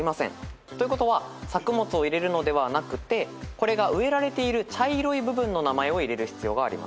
ということは作物を入れるのではなくてこれが植えられている茶色い部分の名前を入れる必要があります。